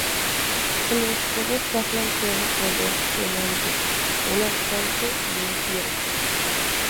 El escudo está flanqueado por dos tenantes, un alce y un ciervo.